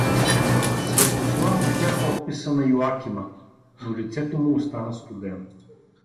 Светослав видя подписа на Иоакима, но лицето му остана студено.